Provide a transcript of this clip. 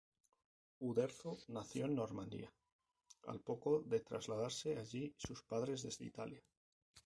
Uderzo nació en Normandía, al poco de trasladarse allí sus padres desde Italia.